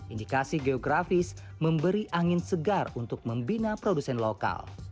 indikasi geografis memberi angin segar untuk membina produsen lokal